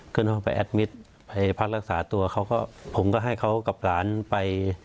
ห้องไปแอดมิตรไปพักรักษาตัวเขาก็ผมก็ให้เขากับหลานไป